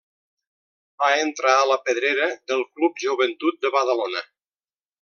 Va entrar a la pedrera del Club Joventut de Badalona.